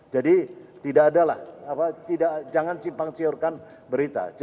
jadi tidak adalah jangan simpang siurkan berita